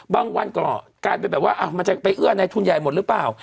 วันก็กลายเป็นแบบว่ามันจะไปเอื้อในทุนใหญ่หมดหรือเปล่า